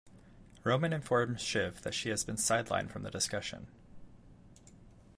Roman informs Shiv that she has been sidelined from the discussion.